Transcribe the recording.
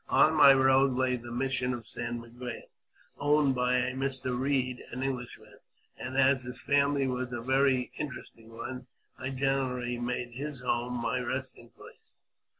On my road lay the mission of St. Miguel, owned by a Mr. Eeed, an Englishman ; and, as his family was a very interesting one, I generally made his home my resting place.